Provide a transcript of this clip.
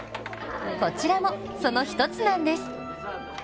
こちらも、その一つなんです。